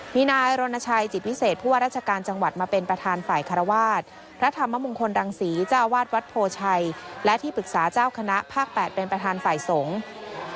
มีนายรณชัยจิตวิเศษผู้ว่าราชการจังหวัดมาเป็นประธานฝ่ายคารวาสพระธรรมมงคลรังศรีเจ้าอาวาสวัดโพชัยและที่ปรึกษาเจ้าคณะภาค๘เป็นประธานฝ่ายสงฆ์